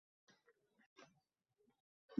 Ko‘pincha bu xayollar unga uxlashiga xalaqit beradi